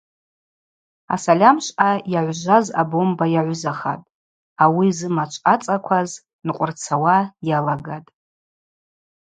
Асальамшвъа йагӏвжваз абомба йагӏвызахатӏ, ауи зымачв ацӏакваз нкъвырцауа йалагатӏ.